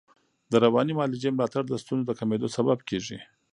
د رواني معالجې ملاتړ د ستونزو د کمېدو سبب کېږي.